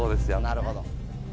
なるほど。